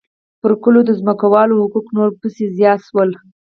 پر کلو د ځمکوالو حقوق نور پسې زیات شول